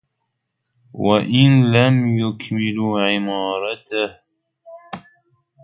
وَإِنْ لَمْ يُكْمِلُوا عِمَارَتَهُ